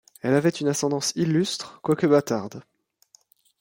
Elle avait une ascendance illustre, quoique bâtarde.